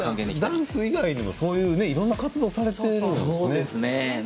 ダンス以外にもいろいろな活動をされているんですね。